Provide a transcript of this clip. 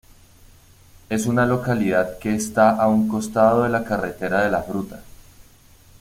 Es una localidad que está a un costado de la Carretera de la Fruta.